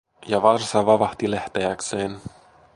Ja varsa vavahti lähteäkseen.